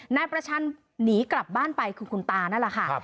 นายประชันหนีกลับบ้านไปคือคุณตานั่นแหละค่ะ